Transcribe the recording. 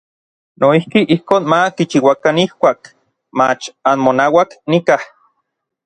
Noijki ijkon ma kichiuakan ijkuak mach anmonauak nikaj.